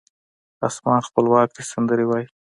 اسمان خپلواک دی سندرې وایې